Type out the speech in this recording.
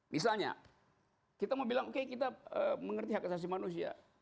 misalnya kita mau bilang oke kita mengerti hak asasi manusia